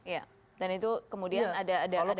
iya dan itu kemudian ada bawah itu di situ ya